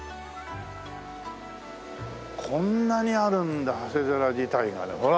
こんなにあるんだ長谷寺自体がほら。